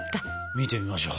見てみましょう。